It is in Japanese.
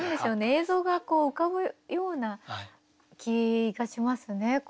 映像がこう浮かぶような気がしますね。